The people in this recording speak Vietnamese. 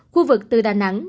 khu vực từ đà nẵng